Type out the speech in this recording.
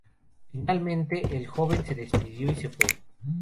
Finalmente, el joven se despidió y se fue.